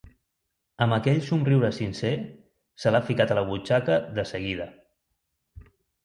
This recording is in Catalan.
Amb aquell somriure sincer se l'ha ficat a la butxaca de seguida.